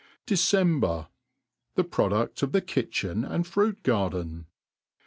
« December, — The ProdtiSi 0/ the Kitchen: and Fruit Garden.